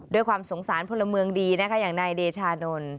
ด้วยความสงสารพลเมืองดีนะคะอย่างนายเดชานนท์